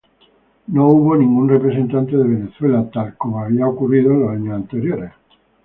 No hubo ningún representante de Venezuela, tal como había ocurrido en los años anteriores.